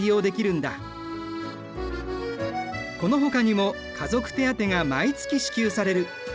このほかにも家族手当が毎月支給される。